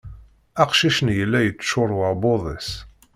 Aqcic-nni yella yeččur uεebbuḍ-is.